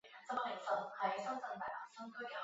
无须进行第二轮投票。